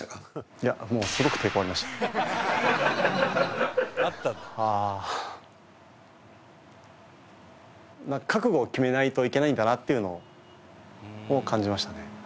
いやもうああ覚悟を決めないといけないんだなっていうのを感じましたね